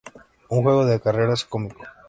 Un juego de carreras cómico.